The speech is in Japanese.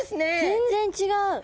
全然違う。